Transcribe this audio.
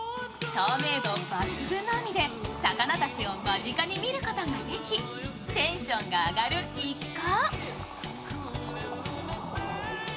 透明度抜群の海で魚たちを間近で見ることができテンションが上がる一行。